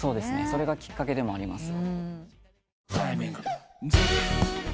それがきっかけでもあります。